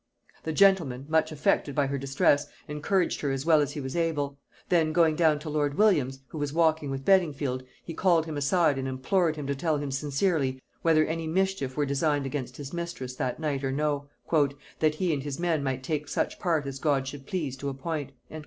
The gentleman, much affected by her distress, encouraged her as well as he was able: then going down to lord Williams, who was walking with Beddingfield, he called him aside and implored him to tell him sincerely, whether any mischief were designed against his mistress that night or no; "that he and his men might take such part as God should please to appoint."